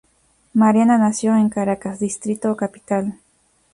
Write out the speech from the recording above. Mariana nació en Caracas, Distrito Capital.